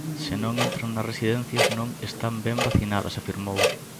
"Se non entran nas residencias non están ben vacinadas", afirmou.